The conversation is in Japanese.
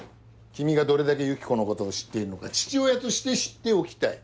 君がどれだけユキコのことを知っているのか父親として知っておきたい。